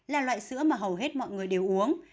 là loại sữa mà hầu hết mọi người đều uống